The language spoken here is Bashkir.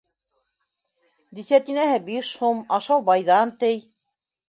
Десятинаһы биш һум, ашау байҙан, ти.